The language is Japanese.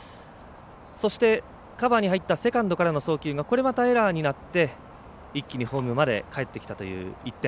そして、カバーに入ったセカンドからの送球がこれまたエラーになって一気にホームまでかえってきたという１点。